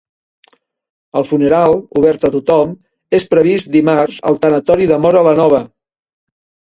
El funeral, obert a tothom, és previst dimarts al tanatori de Móra la Nova.